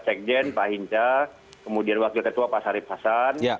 sekjen pak hinca kemudian wakil ketua pak sarif hasan